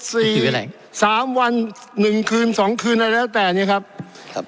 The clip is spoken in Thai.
สี่อะไรสามวันหนึ่งคืนสองคืนอะไรแล้วแต่เนี้ยครับครับ